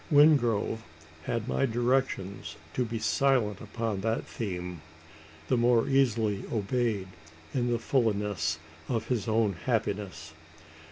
Wingrove had my directions to be silent upon that theme the more easily obeyed in the fulness of his own happiness.